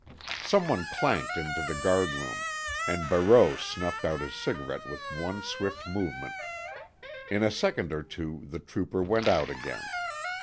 Someone clanked into the guard room, and Barreau snuffed out his cigarette with one swift movement. In a second or two the trooper went out again.